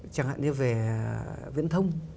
chẳng hạn như về viễn thông